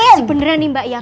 sebenernya nih mbak ya